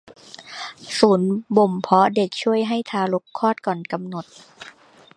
ศูนย์บ่มเพาะเด็กช่วยให้ทารกคลอดก่อนกำหนด